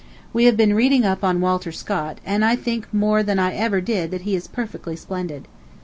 We have been reading up Walter Scott, and I think more than I ever did that he is perfectly splendid.